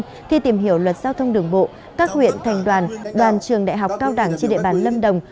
trong khi tìm hiểu luật giao thông đường bộ các huyện thành đoàn đoàn trường đại học cao đẳng trên địa bàn lâm đồng